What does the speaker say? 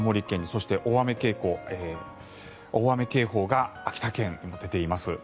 そして大雨警報が秋田県に出ています。